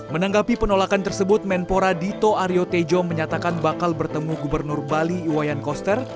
menanggapi penolakan tersebut menpora dito aryo tejo menyatakan bakal bertemu gubernur bali iwayan koster